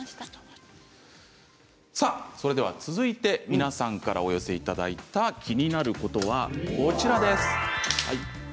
それでは続いて皆さんからお寄せいただいた気になることはこちらです。